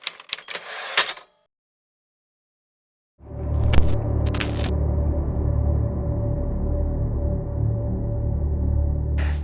ได้หรือไม่ได้